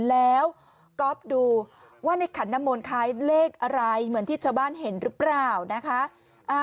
แล้วก๊อฟดูว่าในขันน้ำมนต์คล้ายเลขอะไรเหมือนที่ชาวบ้านเห็นหรือเปล่านะคะ